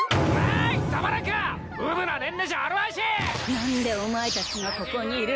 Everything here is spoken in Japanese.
何でお前たちがここにいる！？